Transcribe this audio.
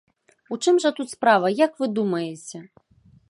У чым жа тут справа, як вы думаеце?